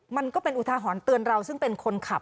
มันก็เป็นอุทาหรณ์เตือนเราซึ่งเป็นคนขับ